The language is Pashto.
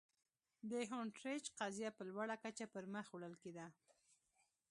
د هونټریج قضیه په لوړه کچه پر مخ وړل کېده.